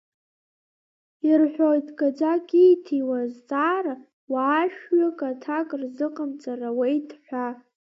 Ирҳәоит, гаӡак ииҭиуа азҵаара, уаашәҩык аҭак рзыҟамҵар ауеит ҳәа.